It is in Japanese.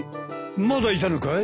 まだいたのかい。